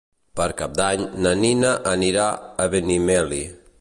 Per Cap d'Any na Nina anirà a Benimeli.